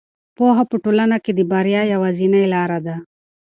پوهه په ټولنه کې د بریا یوازینۍ لاره ده.